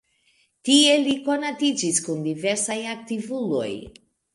Tie li konatiĝis kun diversaj aktivuloj.